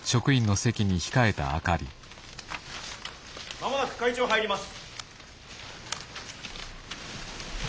間もなく会長入ります。